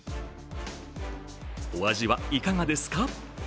お味はいかがですか？